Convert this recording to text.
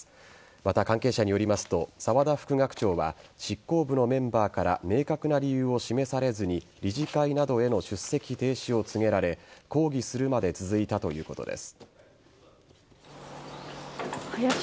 また、関係者によりますと沢田副学長は執行部のメンバーから明確な理由を示されずに理事会などへの出席停止を告げられ抗議するまで続いたということです。